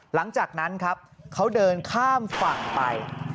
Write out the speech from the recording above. หลังจากนั้นครับเขาเดินข้ามฝั่งไป